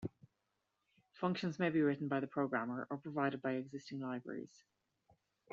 Functions may be written by the programmer or provided by existing libraries.